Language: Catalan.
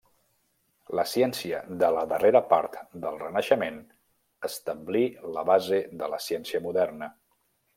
La ciència de la darrera part del Renaixement establí la base de la ciència moderna.